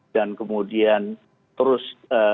dan kemudian terus